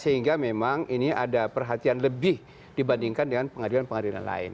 sehingga memang ini ada perhatian lebih dibandingkan dengan pengadilan pengadilan lain